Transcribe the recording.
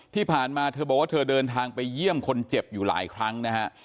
ที่ผ่านมาเธอบอกว่าเธอเดินทางไปเยี่ยมคนเจ็บอยู่หลายครั้งนะฮะ